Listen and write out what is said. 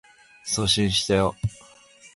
送信したよ